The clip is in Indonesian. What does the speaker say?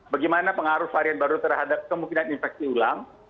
bagaimana pengaruh varian baru terhadap kemungkinan infeksi ulang